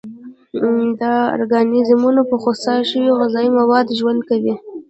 دا ارګانیزمونه په خوسا شوي غذایي موادو ژوند کوي.